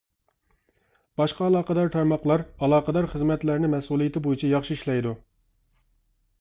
باشقا ئالاقىدار تارماقلار ئالاقىدار خىزمەتلەرنى مەسئۇلىيىتى بويىچە ياخشى ئىشلەيدۇ.